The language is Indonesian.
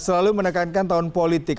lalu menekankan tahun politik